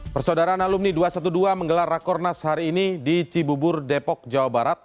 persaudaraan alumni dua ratus dua belas menggelar rakornas hari ini di cibubur depok jawa barat